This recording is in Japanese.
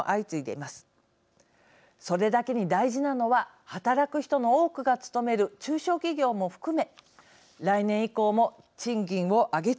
それだけに大事なのは働く人の多くが勤める中小企業も含め来年以降も賃金を上げ続けること。